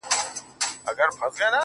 • تا ولي هر څه اور ته ورکړل د یما لوري_